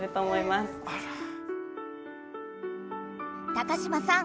高嶋さん